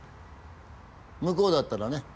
向こうだったらね